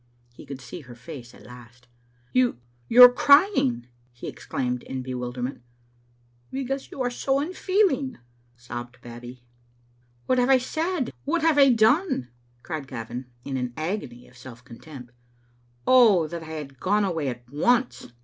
He could see her face at last. " You — you are crying !" he exclaimed, in bewilder ment "Because you are so unfeeling," sobbed Babbie. "What have I said, what have I done?" cried Gavin, in an agony of self contempt. " Oh, that I had gone away at once!"